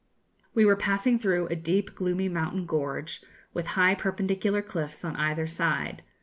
We were passing through a deep gloomy mountain gorge, with high perpendicular cliffs on either side.